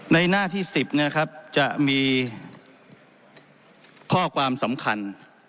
ในหน้าที่๑๐นะครับจะมีข้อความสำคัญ